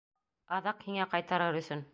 Аҙаҡ һиңә ҡайтарыр өсөн.